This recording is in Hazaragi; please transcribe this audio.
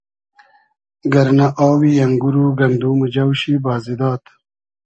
گئرنۂ آوی انگور و گندوم و جۆ شی بازی داد